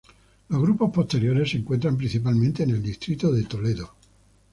Los grupos posteriores se encuentran principalmente en el distrito de Toledo.